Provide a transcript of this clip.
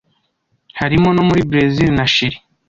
harimo no muri Brazil na Chili,